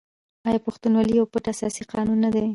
آیا پښتونولي یو پټ اساسي قانون نه دی؟